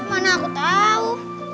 mana aku tahu